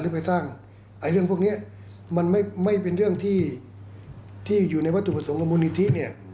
ไปตั้งเรื่องพวกนี้มันไม่เป็นเรื่องที่อยู่ในวัตถุประสงค์ของมูลนิธิเนี่ย